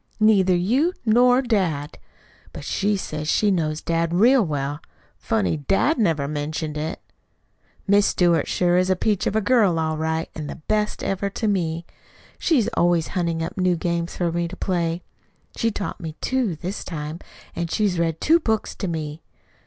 Neither you nor dad. But she says she knows dad real well. Funny dad never mentioned it! Miss Stewart sure is a peach of a girl all right and the best ever to me. She's always hunting up new games for me to play. She's taught me two this time, and she's read two books to me.